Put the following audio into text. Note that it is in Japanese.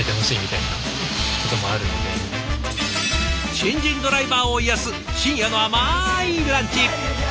新人ドライバーを癒やす深夜の甘いランチ。